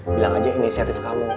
bilang aja inisiatif kamu